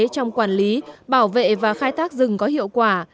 trong quản lý bảo vệ và khai thác rừng có hiệu quả